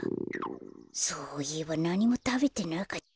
そういえばなにもたべてなかった。